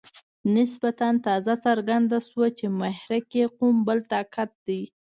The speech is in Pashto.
نسبتاً تازه څرګنده شوه چې محرک یې کوم بل طاقت دی.